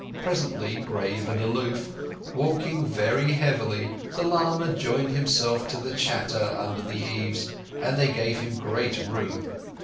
Presently, grave and aloof, walking very heavily, the lama joined himself to the chatter under the eaves, and they gave him great room.